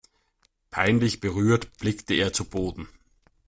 Peinlich berührt blickte er zu Boden.